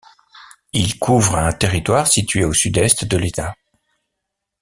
Ils couvrent un territoire situé au sud-est de l'État.